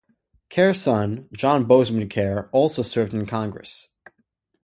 Kerr's son, John Bozman Kerr, also served in Congress.